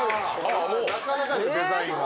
なかなかですねデザインは。